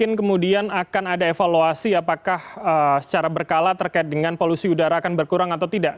mungkin kemudian akan ada evaluasi apakah secara berkala terkait dengan polusi udara akan berkurang atau tidak